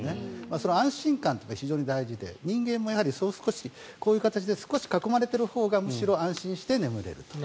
その安心感というのが非常に大事で人間もこういう形で少し囲まれているほうがむしろ安心して眠れると。